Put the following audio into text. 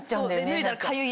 脱いだらかゆい。